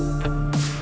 aku sudah berpikir pikir